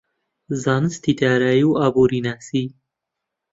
زانستی دارایی و ئابوورناسی